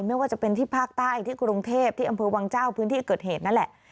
ไม่ว่าจะเป็นที่ภาคใต้ที่กรุงเทพที่อำเภอวังเจ้าพื้นที่เกิดเหตุนั่นแหละ